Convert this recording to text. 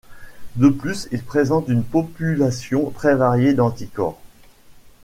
De plus, il présente une population très variée d'anticorps.